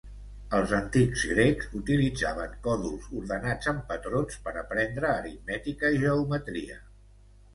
Els antics grecs utilitzaven còdols ordenats en patrons per aprendre aritmètica i geometria.